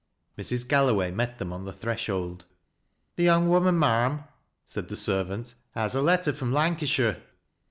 Mrs. Galloway met tkem on the threshold. " The young woman, ma'am," said the servant, " haa i letter from Lancashire."